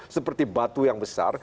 seperti batu yang besar